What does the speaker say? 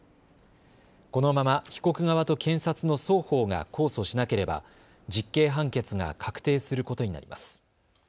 このまま被告側と検察の双方が控訴しなければ実刑判決が確定することになります。